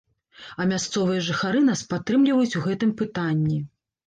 А мясцовыя жыхары нас падтрымліваюць у гэтым пытанні.